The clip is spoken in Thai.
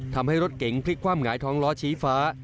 ทำให้รถเก๋งพลิกความหงายท้องล้อชี้ฟ้า